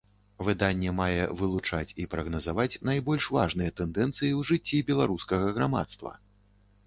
Выданне мае вылучаць і прагназаваць найбольш важныя тэндэнцыі ў жыцці беларускага грамадства.